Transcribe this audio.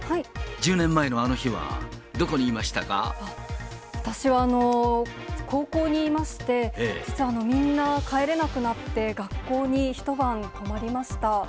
１０年前のあの日は、どこに私は高校にいまして、実はみんな帰れなくなって、学校に一晩泊まりました。